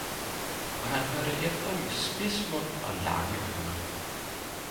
Og han hørte efter med spids mund og lange øren.